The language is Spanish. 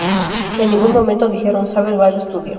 En ningún momento dijeron, sabes, va al estudio.